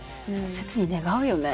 切に願うよね